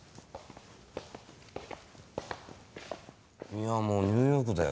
いやもうニューヨークだよ